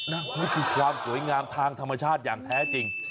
นี่คือความสวยงามทางธรรมชาติอย่างแท้จริง